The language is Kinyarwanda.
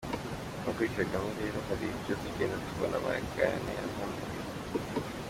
No kuri Kagame rero hari ibyo tugenda tubona Magayane yahanuye.